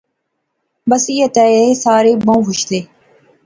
بس ایہھاں تے ایہہ سارے بہوں خوش سے